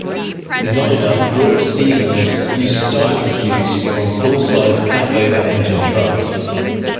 Designer Brooks Stevens used styling cues from full-size cab-over-engine trucks.